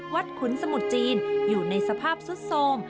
ขุนสมุทรจีนอยู่ในสภาพสุดโทรม